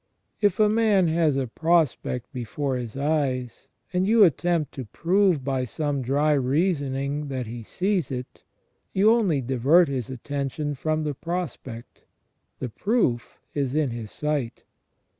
If a man has a prospect before his eyes, and you attempt to prove by some dry reasoning that he sees it, you only divert his attention from the prospect. The proof is in his sight.